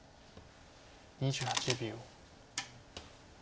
２８秒。